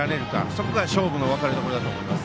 そこが勝負に分かれどころだと思います。